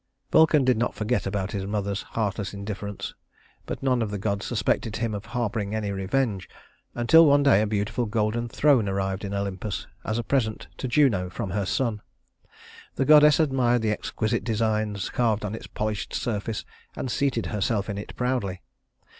Vulcan did not forget about his mother's heartless indifference; but none of the gods suspected him of harboring any revenge, until one day a beautiful golden throne arrived in Olympus as a present to Juno from her son. The goddess admired the exquisite designs carved on its polished surface, and seated herself in it proudly.